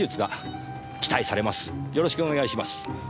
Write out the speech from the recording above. よろしくお願いします。